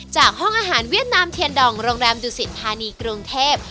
ห้องอาหารเวียดนามเทียนดองโรงแรมดุสินธานีกรุงเทพ